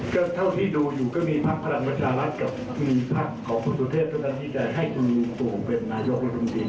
ก็เท่าที่ดูอยู่ก็มีภาคภรรณประชารัฐกับมีภาคของคุณสุธรเทศทุกที่จะให้คุณลูกภูมิเป็นนายกลุ่มจีนต่อ